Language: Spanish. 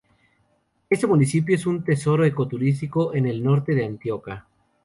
Este municipio es un tesoro ecoturístico en el norte de Antioquia.